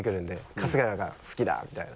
「春日が好きだ」みたいな。